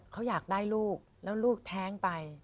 เขาอยากได้ลูกแล้วลูกแท้งไป